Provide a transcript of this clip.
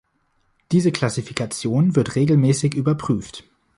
Diese Klassifikation wird regelmäßig überprüft.